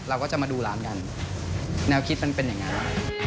เราก็จะมาดูร้านกันแนวคิดมันเป็นอย่างนั้น